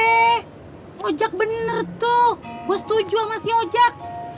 eh ojak bener tuh gua setuju sama si ojak